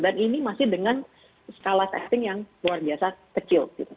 dan ini masih dengan skala testing yang luar biasa kecil